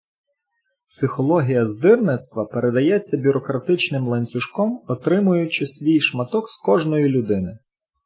Психологія здирництва передається бюрократичним ланцюжком, отримуючи свій шматок з кожної людини.